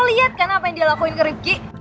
lo liat kan apa yang dia lakuin ke rivki